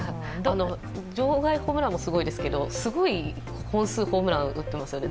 場外ホームランもすごいですけど、すごい本数、ホームランを打っていますよね。